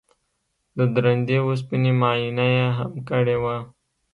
د درندې وسپنې معاینه یې هم کړې وه